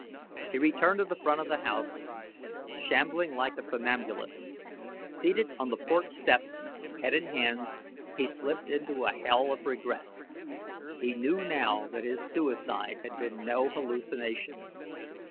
He returned to the front of the house, shambling like a somnambulist. Seated on the porch steps, head in hands, he slipped into a hell of regrets. He knew now that his suicide had been no hallucination.